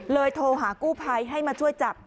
โทรหากู้ภัยให้มาช่วยจับ